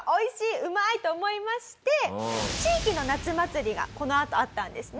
うまい！と思いまして地域の夏祭りがこのあとあったんですね。